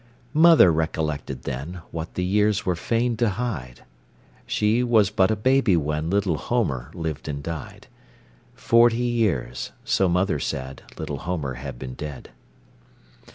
Mother recollected then What the years were fain to hide She was but a baby when Little Homer lived and died; Forty years, so mother said, Little Homer had been dead.